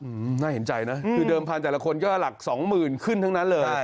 น่าเห็นใจนะคือเดิมพันธแต่ละคนก็หลักสองหมื่นขึ้นทั้งนั้นเลย